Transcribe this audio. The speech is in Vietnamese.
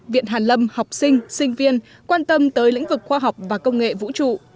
viện hàn lâm học sinh sinh viên quan tâm tới lĩnh vực khoa học và công nghệ vũ trụ